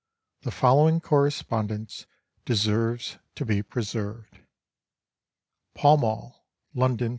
The following correspondence deserves to be preserved: Pall Mall, London, S.